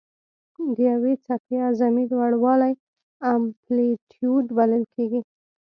د یوې څپې اعظمي لوړوالی امپلیتیوډ بلل کېږي.